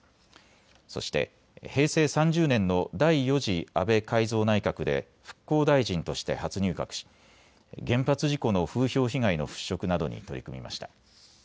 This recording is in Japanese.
そして平成３０年の第４次安倍改造内閣で復興大臣として初入閣し、原発事故の風評被害の払拭などに取り組みました。